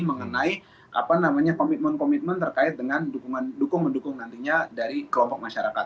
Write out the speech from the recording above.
mengenai komitmen komitmen terkait dengan dukung mendukung nantinya dari kelompok masyarakat